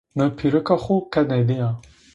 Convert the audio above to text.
Mi pîrika xo qet nêdîya